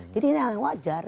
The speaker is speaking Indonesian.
jadi ini hal yang wajar